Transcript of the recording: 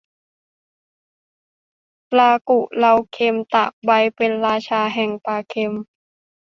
ปลากุเลาเค็ม ตากใบ เป็นราชาแห่งปลาเค็ม